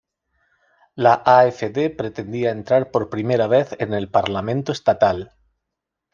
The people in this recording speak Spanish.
La AfD pretendía entrar por primera vez en el parlamento estatal.